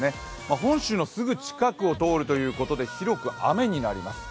本州のすぐ近くを通るということで、広く雨になります。